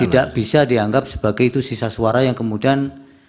tidak bisa dianggap sebagai itu sisa suara yang kemudian